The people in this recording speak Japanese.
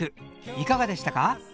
いかがでしたか？